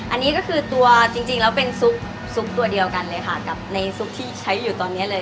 อันนี้ก็คือตัวจริงแล้วเป็นซุปตัวเดียวกันเลยค่ะกับในซุปที่ใช้อยู่ตอนนี้เลย